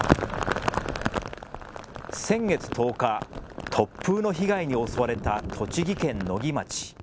先月１０日、突風の被害に襲われた栃木県野木町。